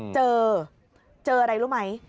เจอเจออะไรรู้ไหม